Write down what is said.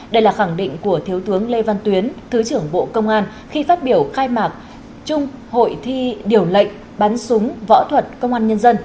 đây là khẳng định của thiếu tướng lê văn tuyến thứ trưởng bộ công an khi phát biểu khai mạc chung hội thi điều lệnh bắn súng võ thuật công an nhân dân